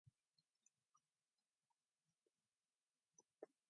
It is neurotoxic in large doses.